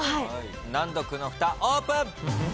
難読のふたオープン。